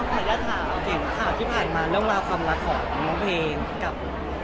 ภรรยาข่าวที่ผ่านมาแล้วเรารับความรักต่อมาบางคน